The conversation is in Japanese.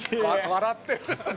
笑ってる。